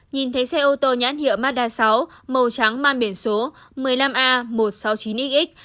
nhìn thấy xe ô tô nhãn hiệu mazda sáu màu trắng mang biển số một mươi năm a một trăm sáu mươi chín xx